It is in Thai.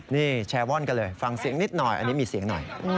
นี่แชร์ว่อนกันเลยฟังเสียงนิดหน่อยอันนี้มีเสียงหน่อย